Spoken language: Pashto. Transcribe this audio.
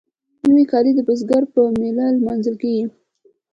نوی کال د بزګر په میله لمانځل کیږي.